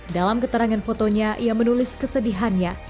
dalam keterangan fotonya ia menulis kesedihannya